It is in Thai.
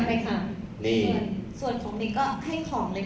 ไม่ค่อยมีรองเท้าที่แบบ